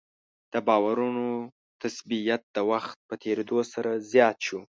د باورونو تثبیت د وخت په تېرېدو سره زیات شو.